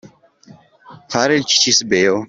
Fare il cicisbeo.